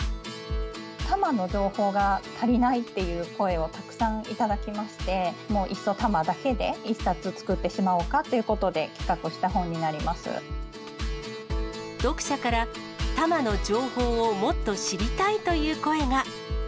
多摩の情報が足りないっていう声を、たくさん頂きまして、もう、いっそ多摩だけで、１冊作ってしまおうかということで、企画した読者から多摩の情報をもっと知りたいという声が。